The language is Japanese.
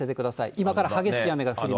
今から激しい雨が降ります。